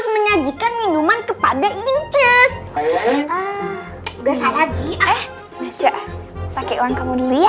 menyajikan minuman kepada ingin cus udah saya lagi eh pakai uang kamu dulu ya